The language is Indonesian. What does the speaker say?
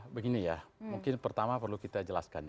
begini ya mungkin pertama perlu kita jelaskan